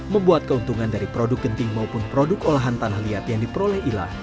membuat keuntungan dari produk genting maupun produk olahan tanah liat yang diperoleh ila